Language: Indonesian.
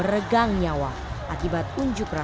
kayaknya kehadiran saya